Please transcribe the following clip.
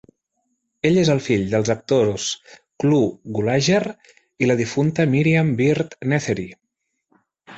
Ell és el fill dels actors Clu Gulager i la difunta Miriam Byrd Nethery.